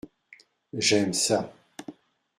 J’aime ça.